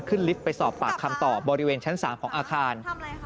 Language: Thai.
ลิฟต์ไปสอบปากคำต่อบริเวณชั้น๓ของอาคาร